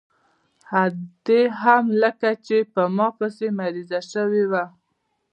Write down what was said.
ادې هم لکه چې په ما پسې مريضه سوې وه.